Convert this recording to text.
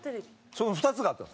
その２つがあったの。